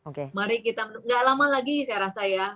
nggak lama lagi saya rasa ya